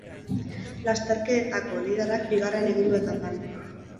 Lasterketako liderrak bigarren egin du etapan.